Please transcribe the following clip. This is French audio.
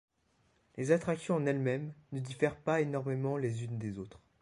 Les attractions en elles-mêmes ne diffèrent pas énormément les unes des autres.